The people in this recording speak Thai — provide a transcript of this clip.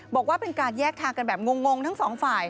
บอกว่าเป็นการแยกทางกันแบบงงทั้งสองฝ่าย